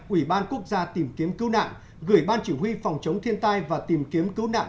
ủy ban quốc gia tìm kiếm cứu nạn gửi ban chỉ huy phòng chống thiên tai và tìm kiếm cứu nạn